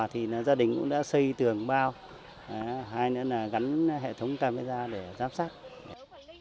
thì gia đình cũng đã xây tường bao hay nữa là gắn hệ thống camera ra để xây tường bao